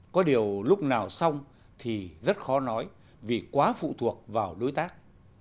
có điều lúc nào xong thì rất khó nói vì quá phụ thuộc vào đối tác